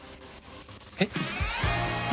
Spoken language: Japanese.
えっ？